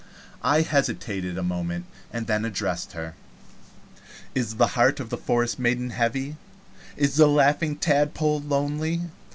I hesitated a moment, and then addressed her: "Is the heart of the forest maiden heavy? Is the Laughing Tadpole lonely?